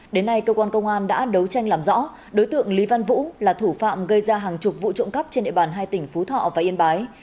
đến nay cơ quan công an đã đấu tranh làm rõ đối tượng lý văn vũ là thủ phạm gây ra hàng chục vụ trộm cắp trên địa bàn hai tỉnh phú thọ và yên bái